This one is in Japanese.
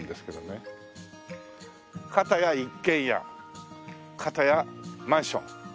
片や一軒家片やマンション。